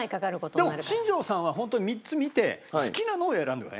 でも新庄さんはホントに３つ見て好きなのを選んでね。